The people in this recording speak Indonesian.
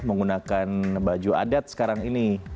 menggunakan baju adat sekarang ini